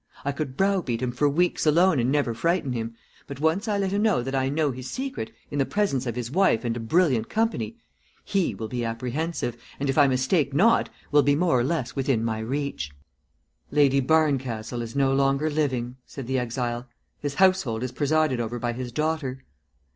I could browbeat him for weeks alone and never frighten him, but once I let him know that I know his secret, in the presence of his wife and a brilliant company, he will be apprehensive, and, if I mistake not, will be more or less within my reach." "Lady Barncastle is no longer living," said the exile. "His household is presided over by his daughter."